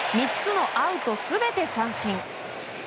３つのアウト全て三振。